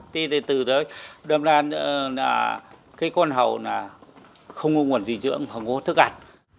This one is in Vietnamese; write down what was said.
thế thì từ đó đến nay là cái con hầu là không có nguồn dị dưỡng không có thức ăn